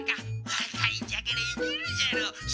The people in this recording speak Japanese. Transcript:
若いんじゃからいけるじゃろ背脂ラーメン。